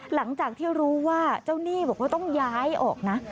หลังจากที่รู้ว่าเจ้าหนี้บอกว่าต้องย้ายออกนะ